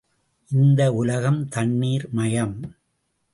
இந்த உலகம் தண்ணீர் மயம்.